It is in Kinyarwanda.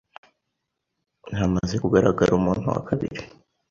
hamaze kugaragara umuntu wa kabiri